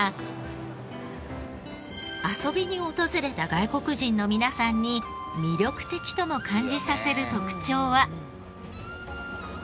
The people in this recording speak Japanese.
遊びに訪れた外国人の皆さんに魅力的とも感じさせる特徴は。